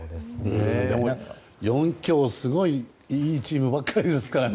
でも、４強すごいいいチームばっかりですからね。